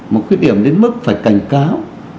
một khuyết điểm đến mức phải cảnh cáo